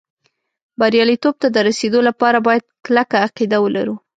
بریالېتوب ته د رسېدو لپاره باید کلکه عقیده ولرو